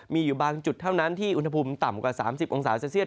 มีอยู่บางจุดเท่านั้นที่อุณหภูมิต่ำกว่า๓๐องศาเซลเซียต